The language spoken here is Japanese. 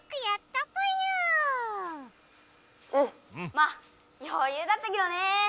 まあよゆうだったけどね！